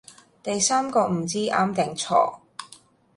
第三個唔知啱定錯